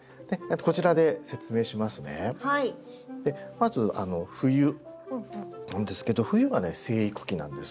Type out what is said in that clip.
まず冬なんですけど冬はね生育期なんです。